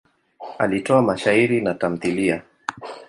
Alitoa mashairi na tamthiliya.